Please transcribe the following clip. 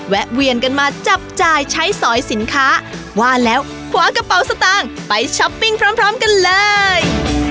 แวนกันมาจับจ่ายใช้สอยสินค้าว่าแล้วขวากระเป๋าสตางค์ไปช้อปปิ้งพร้อมกันเลย